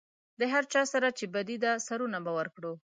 د هر چا سره چې بدي ده سرونه به ورکړو.